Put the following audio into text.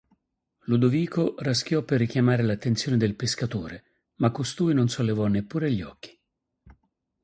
Ludovico raschiò per richiamare l'attenzione del pescatore, ma costui non sollevò neppure gli occhi.